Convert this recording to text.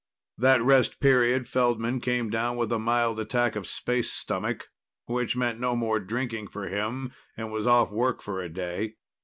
That rest period Feldman came down with a mild attack of space stomach which meant no more drinking for him and was off work for a day.